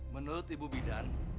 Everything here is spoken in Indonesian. menurut ibu bidan